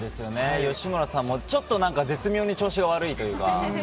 吉村さんもちょっと絶妙に調子が悪いというか。